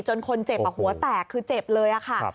จนคนเจ็บออกหัวแตกคือเจ็บเลยอะค่ะ